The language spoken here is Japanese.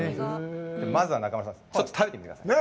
まずは中丸さん、ちょっと食べてみてください。